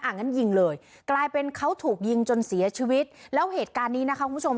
งั้นยิงเลยกลายเป็นเขาถูกยิงจนเสียชีวิตแล้วเหตุการณ์นี้นะคะคุณผู้ชม